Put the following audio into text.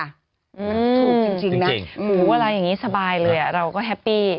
มันถูกจริงนะหมูอะไรอย่างนี้สบายเลยเราก็แฮปปี้